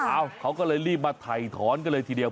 อ้าวเขาก็เลยรีบมาไถ่ทอนก็เลยทีเดียว